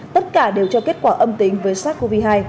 tất cả đều cho kết quả âm tính với sars cov hai